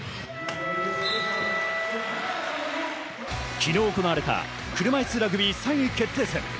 昨日行われた車いすラグビー３位決定戦。